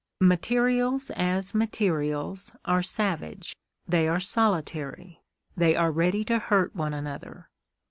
Materials as materials are savage; they are solitary; they are ready to hurt one another.